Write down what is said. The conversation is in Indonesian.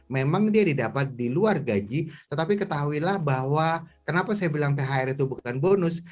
memang dia didapat di luar gaji tetapi ketahuilah bahwa kenapa saya bilang thr itu bukan bonus